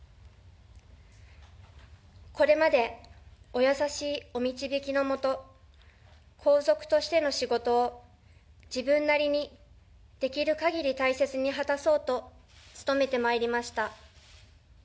これまでお優しいお導きのもと、皇族としての仕事を自分なりにできるかぎり大切に果たそうと努めてまいりました。